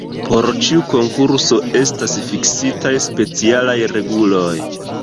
Por ĉiu konkurso estas fiksitaj specialaj reguloj.